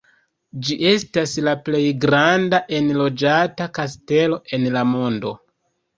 Ĝi estas la plej granda enloĝata kastelo en la mondo.